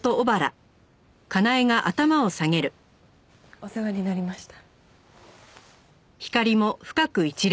お世話になりました。